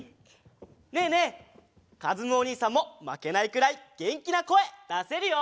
ねえねえかずむおにいさんもまけないくらいげんきなこえだせるよ！